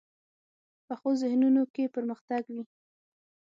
پخو ذهنونو کې پرمختګ وي